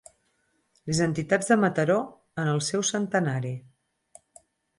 Les entitats de Mataró en el seu centenari.